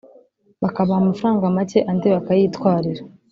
bakabaha amafaranga macye andi bakayitwarira